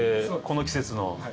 この季節の。